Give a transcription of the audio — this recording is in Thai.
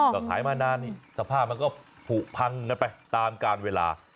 ก็ขายมานานนี่สภาพมันก็ผูกพังกันไปตามการเวลา